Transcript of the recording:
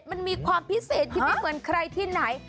มันมีความพิเศษที่ไม่เหมือนใครที่ไหน